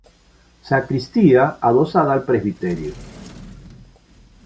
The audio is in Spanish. Sacristía adosada al presbiterio.